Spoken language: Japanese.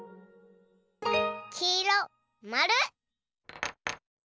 きいろまる！